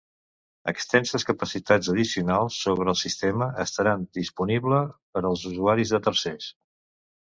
Extenses capacitats addicionals sobre el sistema estaran disponible per als usuaris de tercers.